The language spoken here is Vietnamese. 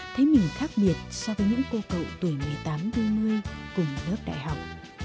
thấy mình khác biệt so với những cô cậu tuổi một mươi tám bốn mươi cùng lớp đại học